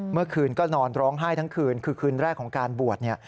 เมื่อคืนก็นอนร้องไห้ทั้งคืนคือคืนแรกของการบวช